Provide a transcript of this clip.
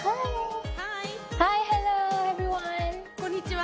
「こんにちは」。